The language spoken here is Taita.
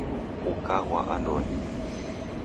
Ukaghwa andonyi